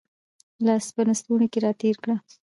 لاس په لستوڼي کې را تېر کړه